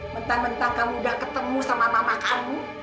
mentang mentang kamu udah ketemu sama mama kamu